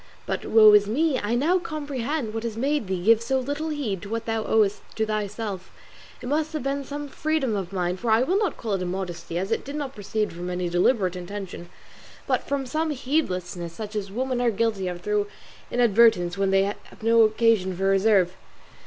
But, woe is me, I now comprehend what has made thee give so little heed to what thou owest to thyself; it must have been some freedom of mine, for I will not call it immodesty, as it did not proceed from any deliberate intention, but from some heedlessness such as women are guilty of through inadvertence when they think they have no occasion for reserve.